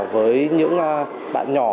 với những bạn nhỏ